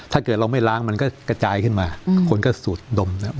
ถ้าเกิดเราไม่ล้างมันก็กระจายขึ้นมาคนก็สูดดมนะครับ